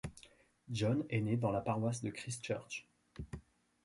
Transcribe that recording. John est né dans la paroisse de Christ Church.